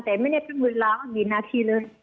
แต่ไม่ได้เท่าหมู่ล้างอันนี้นาทีเลย